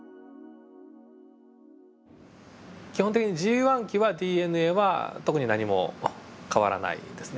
基本的にＧ期はＤＮＡは特に何も変わらないですね。